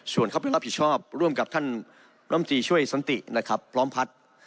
ส่วนเข้าไปรับผิดชอบร่วมกับท่านรำตีช่วยสันตินะครับพร้อมพัฒน์